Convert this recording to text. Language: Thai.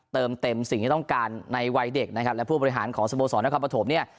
เติมเต็มสิ่งที่ต้องการในวัยเด็กนะครับและผู้บริหารของสโมสรนครปฐมเนี่ย